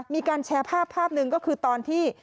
มีการแชร์ภาพภาพหนึ่งก็คือตอนที่